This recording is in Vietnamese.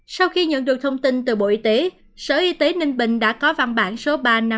sau khi nhận được thông tin từ bộ y tế sở y tế ninh bình đã có văn bản số ba nghìn năm trăm năm mươi bảy